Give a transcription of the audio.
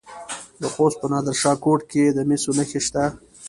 د خوست په نادر شاه کوټ کې د مسو نښې شته.